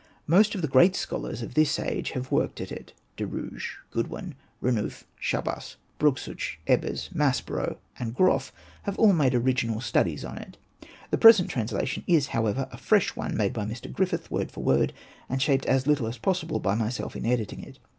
Most of the great scholars of this age have worked at it : De Rouge, Goodwin, Renouf, Chabas, Brugsch, Ebers, Maspero, and Groff have all made original studies on it. The present translation is, however, a fresh one made by Mr. Griffith word for word, and shaped as little as possible by myself in editing it.